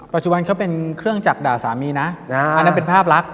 ปัจจุบันเขาเป็นเครื่องจักรด่าสามีนะอันนั้นเป็นภาพลักษ